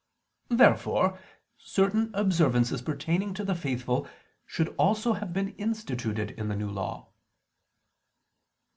Therefore certain observances pertaining to the faithful should also have been instituted in the New Law.